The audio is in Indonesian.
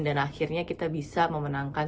dan akhirnya kita bisa memenangkan